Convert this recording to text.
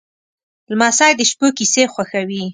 لمسی د شپو کیسې خوښوي.